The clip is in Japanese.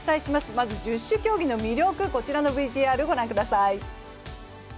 まず十種競技の魅力、こちらのＶＴＲ、御覧ください。